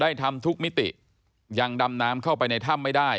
ทำทุกมิติยังดำน้ำเข้าไปในถ้ำไม่ได้